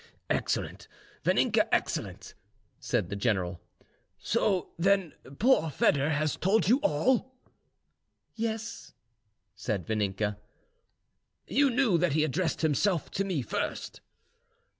"Excellent, Vaninka, excellent," said the general. "So, then, poor Foedor has told you all?" "Yes," said Vaninka. "You knew that he addressed himself to me first?"